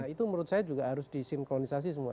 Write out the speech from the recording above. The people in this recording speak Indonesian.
itu menurut saya juga harus disinkronisasi semua